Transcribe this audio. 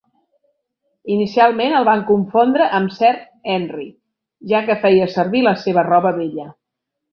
Inicialment el van confondre amb Sir Henry, ja que feia servir la seva roba vella.